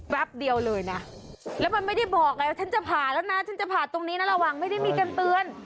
เดียวเลยนะแล้วมันไม่ได้บอกไงว่าฉันจะผ่าแล้วนะฉันจะผ่าตรงนี้นะระวังไม่ได้มีการเตือน